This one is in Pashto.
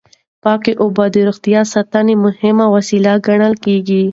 پاکې اوبه د روغتیا د ساتنې مهمه وسیله ګڼل کېږي.